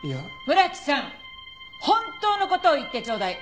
村木さん本当の事を言ってちょうだい。